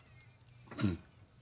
うん。